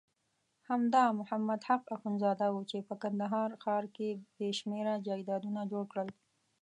همدا محمد حق اخندزاده وو چې په کندهار ښار کې بېشمېره جایدادونه جوړ کړل.